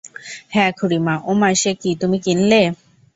-হ্যাঁ খুড়িমা, ওমা সেকি, তুমি কিনলে?